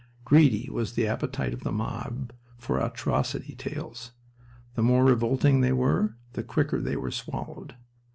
Greedy was the appetite of the mob for atrocity tales. The more revolting they were the quicker they were swallowed.